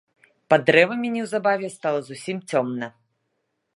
Пад дрэвамі неўзабаве стала зусім цёмна.